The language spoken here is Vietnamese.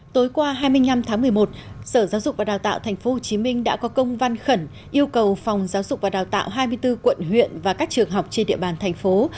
tối qua hai mươi năm tháng một mươi một sở giáo dục và đào tạo tp hcm đã có công văn khẩn yêu cầu phòng giáo dục và đào tạo hai mươi bốn quận huyện và các trường học trên địa bàn thành phố